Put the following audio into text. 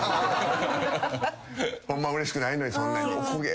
ホンマはうれしくないのにそんなに。